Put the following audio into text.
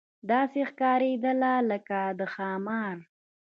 داسې ښکارېدله لکه د ښامار.